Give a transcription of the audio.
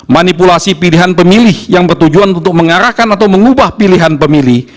manipulasi pilihan pemilih yang bertujuan untuk mengarahkan atau mengubah pilihan pemilih